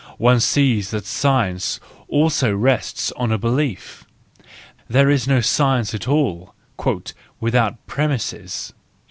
One sees that science also rests on a belief: there is no science at all " without premises."